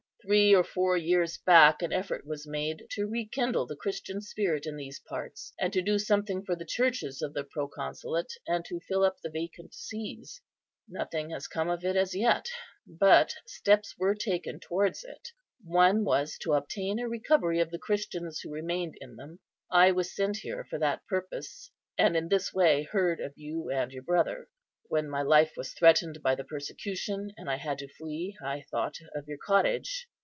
Three or four years back an effort was made to rekindle the Christian spirit in these parts, and to do something for the churches of the proconsulate, and to fill up the vacant sees. Nothing has come of it as yet; but steps were taken towards it: one was to obtain a recovery of the Christians who remained in them. I was sent here for that purpose, and in this way heard of you and your brother. When my life was threatened by the persecution, and I had to flee, I thought of your cottage.